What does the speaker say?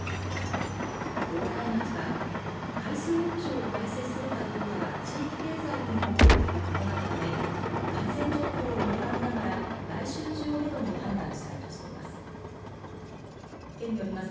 大洗町は海水浴場を開設するかどうかは地域経済にも大きく関わるため感染状況を見極めながら来週中をめどに判断したいとしています。